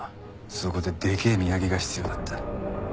そこででけえ土産が必要だった。